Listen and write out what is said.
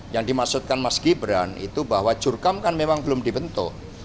yang dimaksudkan mas gibran itu bahwa jurkam kan memang belum dibentuk